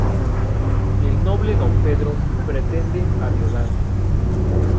El noble Don Pedro pretende a Violante.